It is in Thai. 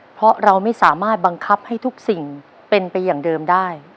เพราะเราไม่สามารถบังคับให้ทุกสิ่งเป็นไปอย่างเดิมได้